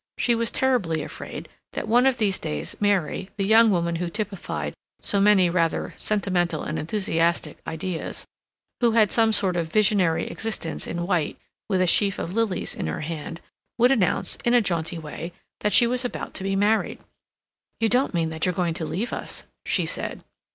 She was terribly afraid that one of these days Mary, the young woman who typified so many rather sentimental and enthusiastic ideas, who had some sort of visionary existence in white with a sheaf of lilies in her hand, would announce, in a jaunty way, that she was about to be married. "You don't mean that you're going to leave us?" she said.